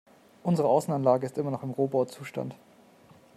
Unsere Außenanlage ist immer noch im Rohbauzustand.